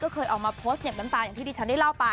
ก็เคยเอามาโพสต์แขวะน้ำตาลอย่างที่ที่ฉันได้เล่าไป